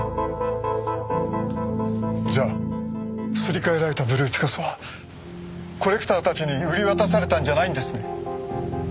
じゃあすり替えられたブルーピカソはコレクターたちに売り渡されたんじゃないんですね？